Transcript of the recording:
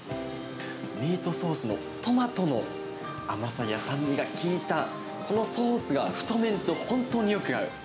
ミートソースのトマトの甘さや酸味が効いた、このソースが太麺と本当によく合う。